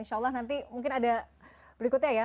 insya allah nanti mungkin ada berikutnya ya